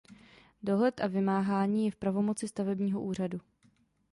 Dohled a vymáhání je v pravomoci stavebního úřadu.